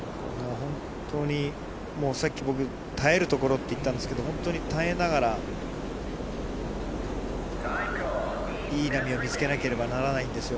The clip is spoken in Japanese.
本当にもうさっき、僕、耐えるところって言ったんですけど、本当に耐えながら、いい波を見つけなければならないんですよ。